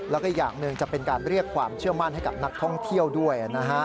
แล้วก็อย่างหนึ่งจะเป็นการเรียกความเชื่อมั่นให้กับนักท่องเที่ยวด้วย